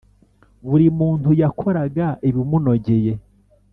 Buri muntu yakoraga ibimunogeye